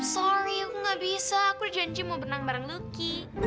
sorry aku gak bisa aku udah janji mau berenang bareng lucky